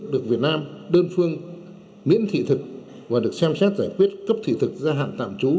được việt nam đơn phương miễn thị thực và được xem xét giải quyết cấp thị thực gia hạn tạm trú